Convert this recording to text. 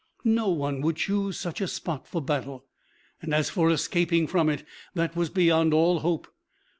No one would choose such a spot for battle; and as for escaping from it, that was beyond all hope.